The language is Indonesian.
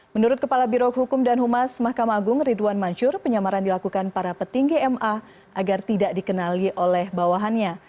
menurut kepala birok hukum dan humas mahkamah agung ridwan mansur penyamaran dilakukan para petinggi ma agar tidak dikenali oleh bawahannya